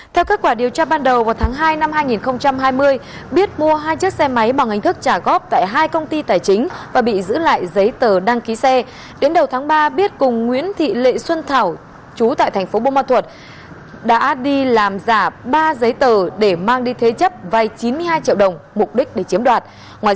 tại cơ quan công an các đối tượng đã khai nhận toàn bộ hành vi phạm tội